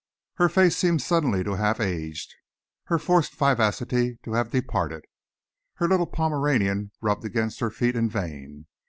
Her face seemed suddenly to have aged, her forced vivacity to have departed. Her little Pomeranian rubbed against her feet in vain.